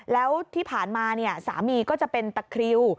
แล้วที่ผ่านมาสามีก็จะเป็นตะคริว